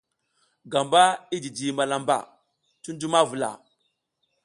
Gamba i jiji malamba cuncu ma vula.